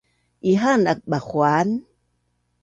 Ihaan aak Bahuan